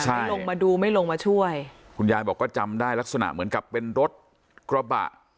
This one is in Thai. ไม่ลงมาดูไม่ลงมาช่วยคุณยายบอกก็จำได้ลักษณะเหมือนกับเป็นรถกระบะ